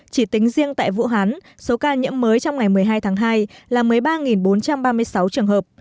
chỉ tính riêng tại vũ hán số ca nhiễm mới trong ngày một mươi hai tháng hai là một mươi ba bốn trăm ba mươi sáu trường hợp